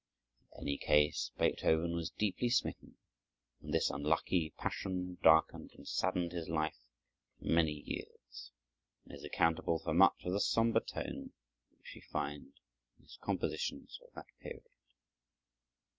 In any case, Beethoven was deeply smitten; and this unlucky passion darkened and saddened his life for many years, and is accountable for much of the somber tone which we find in his compositions of that period.